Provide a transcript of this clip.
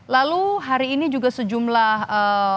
lalu hari ini juga sejumlah orang yang berpikir bahwa